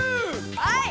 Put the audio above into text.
はい！